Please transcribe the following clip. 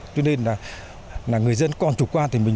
cho nên là người dân còn chủ quan thì mình